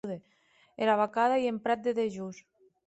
Era vacada ei en prat de dejós.